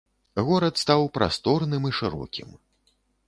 Горад стаў прасторным і шырокім.